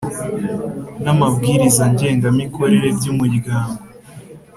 n amabwiriza ngengamikorere by Umuryango